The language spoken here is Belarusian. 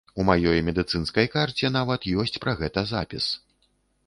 У маёй медыцынскай карце нават ёсць пра гэта запіс.